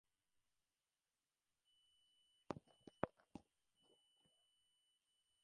এমনিতেও এটাই আমি চেয়েছিলাম সবসময়।